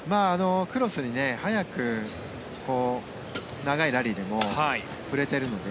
クロスに速く長いラリーでも振れてるので。